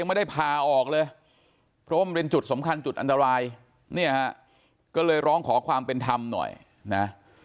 นี่ฮะก็เลยร้องขอความเป็นธรรมหน่อยนะ